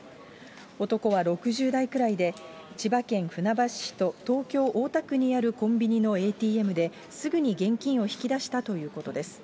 男は６０代くらいで、千葉県船橋市と東京・大田区にあるコンビニのＡＴＭで、すぐに現金を引き出したということです。